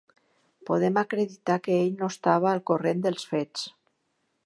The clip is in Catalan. Podem acreditar que ell no estava al corrent dels fets.